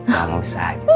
gak mau bisa aja sih